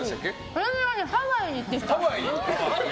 私はハワイに行ってきた。